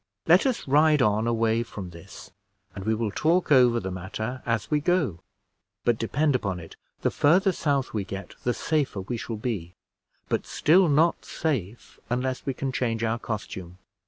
Let us ride on away from this, and we will talk over the matter as we go; but depend upon it, the further south we get the safer we shall be, but still not safe, unless we can change our costume.